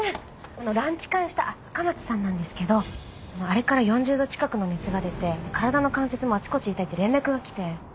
あのランチ会した赤松さんなんですけどあれから４０度近くの熱が出て体の関節もあちこち痛いって連絡が来て。